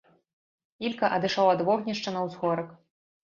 Ілька адышоў ад вогнішча на ўзгорак.